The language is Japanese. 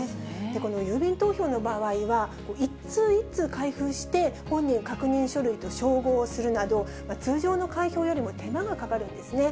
この郵便投票の場合は、一通一通開封して、本人確認書類と照合するなど、通常の開票よりも手間がかかるんですね。